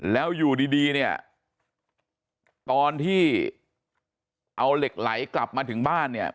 แล้วอยู่ดีเนี่ยตอนที่เอาเหล็กไหลกลับมาถึงบ้านเนี่ย